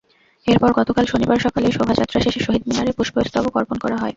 এরপর গতকাল শনিবার সকালে শোভাযাত্রা শেষে শহীদ মিনারে পুষ্পস্তবক অর্পণ করা হয়।